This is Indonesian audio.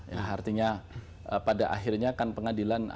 ya artinya pada akhirnya akan pengadilan akan mencari